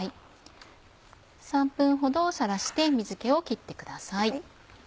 ３分ほどさらして水気を切ってください。